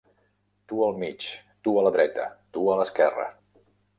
Tu al mig, tu a la dreta, tu a l'esquerra.